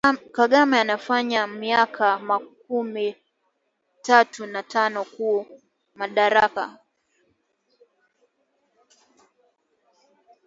Kangame anafanya myaka makumi tatu na tano ku madaraka